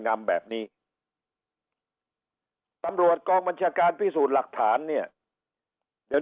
งำแบบนี้ตำรวจกองบัญชาการพิสูจน์หลักฐานเนี่ยเดี๋ยว